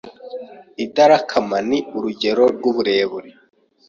Idarakama ni urugero rw uburemere